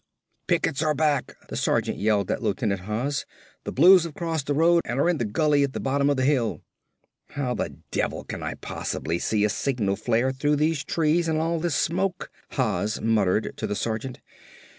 "Pickets are back," the sergeant yelled at Lieutenant Haas. "The Blues've crossed the road an' are in the gully at the bottom of the hill." "How the devil can I possibly see a signal flare through these trees and all this smoke?" Haas muttered to the sergeant.